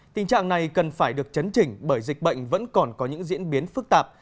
tình trạng này cần phải được chấn chỉnh bởi dịch bệnh vẫn còn có những diễn biến phức tạp